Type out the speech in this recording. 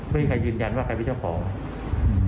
ไม่มีใครยืนยันว่าใครเป็นเจ้าของอืม